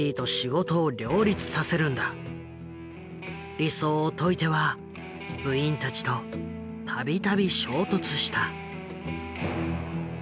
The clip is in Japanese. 理想を説いては部員たちと度々衝突した。